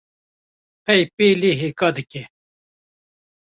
Qey pêlê hêka dike